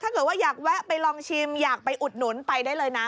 ถ้าเกิดว่าอยากแวะไปลองชิมอยากไปอุดหนุนไปได้เลยนะ